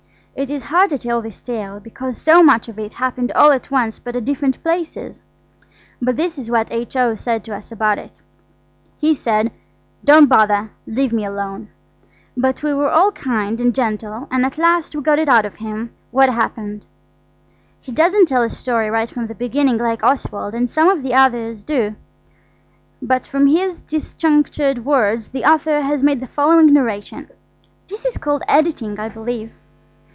It is hard to tell this tale, because so much of it happened all at once but at different places. But this is what H.O. said to us about it. He said– "Don't bother–let me alone." But we were all kind and gentle, and at last we got it out of him what had happened. He doesn't tell a story right from the beginning like Oswald and some of the others do, but from his disjunctured words the author has made the following narration. This is called editing, I believe.